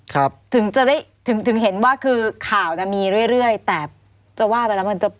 ถึงจะได้ถึงถึงเห็นว่าคือข่าวน่ะมีเรื่อยเรื่อยแต่จะว่าไปแล้วมันจะ